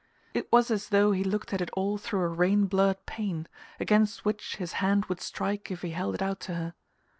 It was as though he looked at it all through a rain blurred pane, against which his hand would strike if he held it out to her...